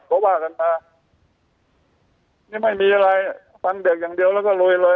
ก็ว่ากันมานี่ไม่มีอะไรฟันเด็กอย่างเดียวแล้วก็ลุยเลย